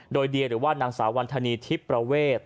โดยเดียหรือว่านางสาววันธนีทิพย์ประเวท